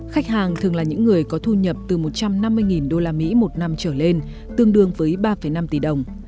khách hàng thường là những người có thu nhập từ một trăm năm mươi usd một năm trở lên tương đương với ba năm tỷ đồng